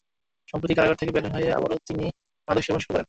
সম্প্রতি কারাগার থেকে বের হয়ে আবারও তিনি মাদক সেবন শুরু করেন।